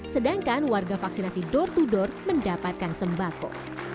sedangkan warga vaksinasi door to door mendapatkan sembako